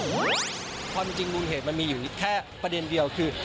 ความจริงมูลเหตุมันมีอยู่แค่ประเด็นเดียวคือ